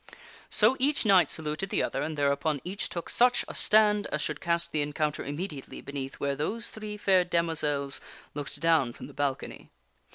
So each knight saluted the other, and thereupon each took such a stand as should cast the encounter immediately beneath where those three fair demoiselles looked down from the balcony.